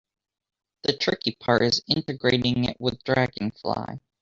The tricky part is integrating it with Dragonfly.